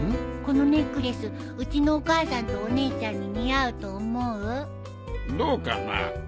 このネックレスうちのお母さんとお姉ちゃんに似合うと思う？どうかな？